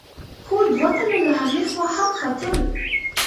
خو دوه تنه له هغې خوا هم ختل.